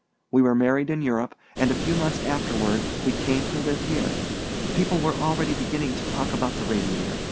We were married in Europe, and a few months afterward we came to live here. People were already beginning to talk about the Radiator.